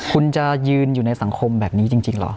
คุณจะยืนอยู่ในสังคมแบบนี้จริงเหรอ